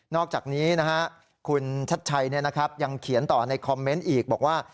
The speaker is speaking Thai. อกจากนี้คุณชัดชัยยังเขียนต่อในคอมเมนต์อีกบอกว่า